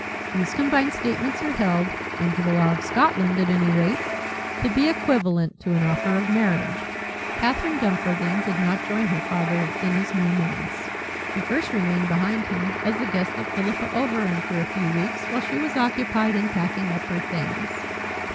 These combined statements are held, under the law of Scotland at any rate, to be equivalent to an offer of marriage. Catherine Dumfarthing did not join her father in his new manse. She first remained behind him, as the guest of Philippa Overend for a few weeks while she was occupied in packing up her things.